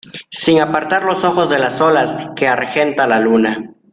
sin apartar los ojos de las olas que argenta la luna: